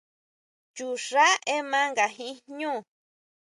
Chuxʼá énma nga jin jñú.